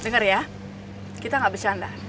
kita tidak bercanda